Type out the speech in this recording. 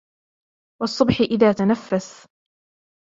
وَالصُّبْحِ إِذَا تَنَفَّسَ